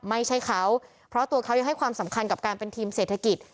ไม่ใช่เขาเพราะตัวเขายังให้ความสำคัญกับการเป็นทีมเศรษฐกิจ